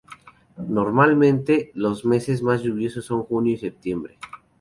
Normalmente, los meses más lluviosos son junio y septiembre.